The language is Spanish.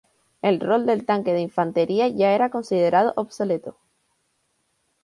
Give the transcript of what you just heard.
El rol del tanque de infantería ya era considerado obsoleto.